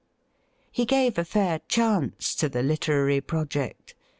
He gave a fair chance to the literary project.